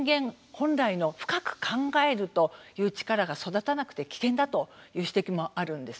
本来の深く考えるという力が育たなくて危険だという指摘もあるんです。